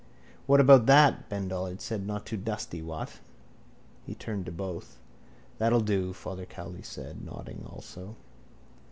—What about that? Ben Dollard said. Not too dusty? What? He turned to both. —That'll do, Father Cowley said, nodding also.